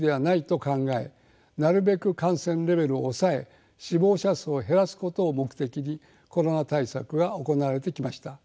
なるべく感染レベルを抑え死亡者数を減らすことを目的にコロナ対策が行われてきました。